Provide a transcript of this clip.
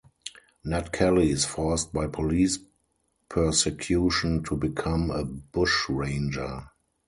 Ned Kelly is forced by police persecution to become a bushranger.